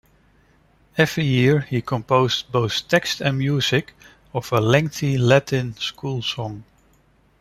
Every year he composed both text and music of a lengthy Latin school song.